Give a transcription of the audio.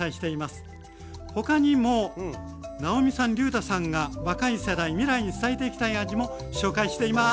他にも直美さんりゅうたさんが若い世代未来に伝えていきたい味も紹介しています。